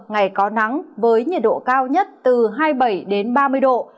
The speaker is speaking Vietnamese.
ngày có nắng với nhiệt độ cao nhất từ hai mươi bảy ba mươi độ